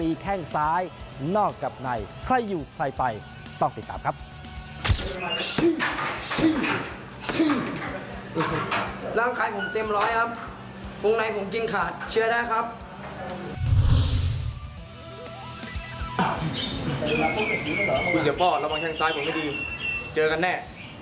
อุ๊ยเสือป้อระวังข้างซ้ายผมไม่ดีเจอกันแน่